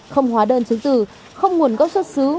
không hóa đơn chứng từ không nguồn gốc xuất xứ